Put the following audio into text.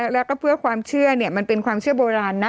แล้วก็เพื่อความเชื่อมันเป็นความเชื่อโบราณนะ